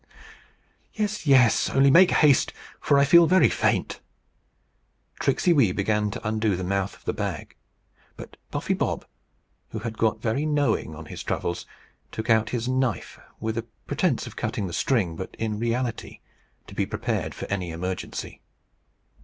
"Yes, yes. Only make haste, for I feel very faint." Tricksey Wee began to undo the mouth of the bag. But Buffy Bob, who had got very knowing on his travels, took out his knife with the pretence of cutting the string; but, in reality, to be prepared for any emergency.